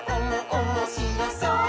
おもしろそう！」